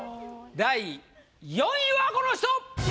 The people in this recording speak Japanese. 第４位はこの人！